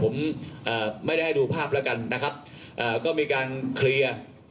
ผมไม่ได้ให้ดูภาพแล้วกันนะครับก็มีการเคลียร์